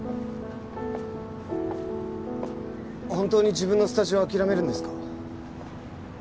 本当に自分のスタジオ諦めるんですか？